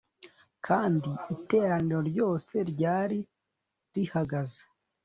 kandi iteraniro ryose ryari rihagaze